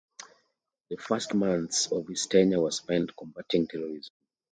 The first months of his tenure were spent combating terrorism.